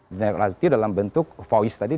ditindaklanjuti dalam bentuk voice tadi